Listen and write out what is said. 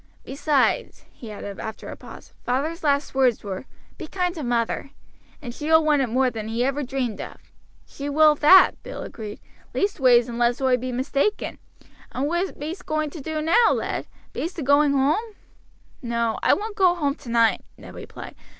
Besides," he added after a pause, "father's last words were, 'Be kind to mother;' and she will want it more than he ever dreamed of." "She will that," Bill agreed; "leastways unless oi be mistaken. And what be'st going to do now, lad? Be'st agoing whoam?" "No, I won't go home tonight," Ned replied.